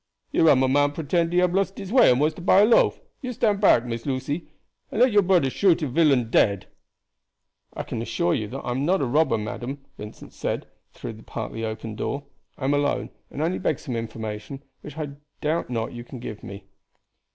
"Here am a man pretend he hab lost his way and wants to buy a loaf. You stand back, Miss Lucy, and let your broder shoot de villain dead." "I can assure you that I am not a robber, madam," Vincent said through the partly opened door. "I am alone, and only beg some information, which I doubt not you can give me."